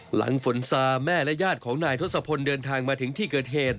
หลังฝนซาแม่และญาติของนายทศพลเดินทางมาถึงที่เกิดเหตุ